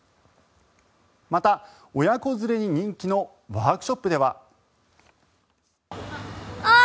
また、親子連れに人気のワークショップでは。